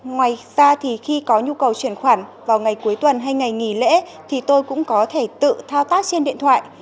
ngoài ra thì khi có nhu cầu chuyển khoản vào ngày cuối tuần hay ngày nghỉ lễ thì tôi cũng có thể tự thao tác trên điện thoại